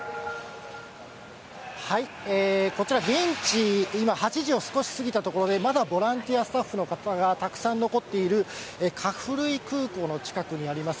こちら、現地今、８時を過ぎたところで、まだボランティアスタッフの方がたくさん残っているカフルイ空港の近くにあります